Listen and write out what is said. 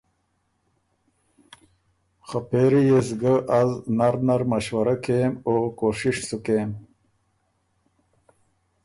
خه پېری يې سو ګه از نر نر مشورۀ کېم او او کوشش سُو کېم۔